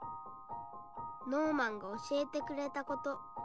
ノーマンが教えてくれたこと。